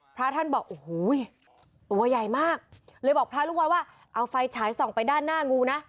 พระท่านบอกโอ้โหตัวใหญ่มากเลยบอกพระลูกวัดว่าเอาไฟฉายส่องไปด้านหน้างูนะ